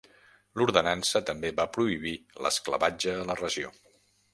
L'ordenança també va prohibir l'esclavatge a la regió.